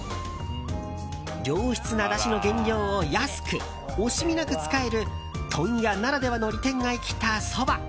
良質なだしの原料を安く惜しみなく使える問屋ならではの利点が生きたそば。